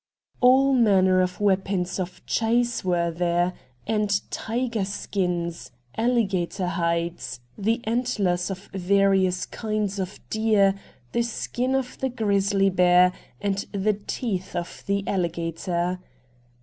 All manner of weapons of chase were there, and tiger skins, alligator hides, the antlers of various kinds of deer, the skin of the grizzly bear, and the teeth of the alligator.